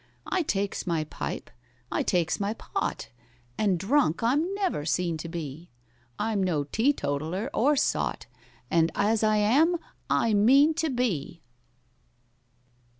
"I takes my pipe—I takes my pot, And drunk I'm never seen to be: I'm no teetotaller or sot, And as I am I mean to be!"